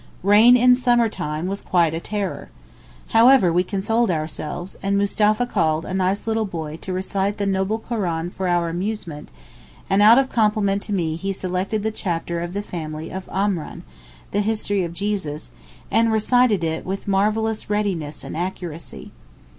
Rain in summer time was quite a terror. However, we consoled ourselves, and Mustapha called a nice little boy to recite the 'noble Koran' for our amusement, and out of compliment to me he selected the chapter of the family of Amran (the history of Jesus), and recited it with marvellous readiness and accuracy.